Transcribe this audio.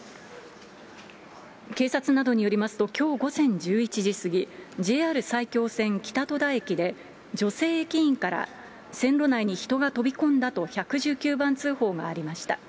警察などによりますと、きょう午前１１時過ぎ、ＪＲ埼京線北戸田駅で、女性駅員から、線路内に人が飛び込んだと１１９番通報がありました。